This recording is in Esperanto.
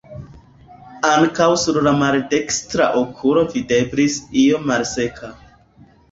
Ankaŭ sur la maldekstra okulo videblis io malseka.